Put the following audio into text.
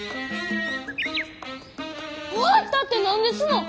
終わったって何ですの！？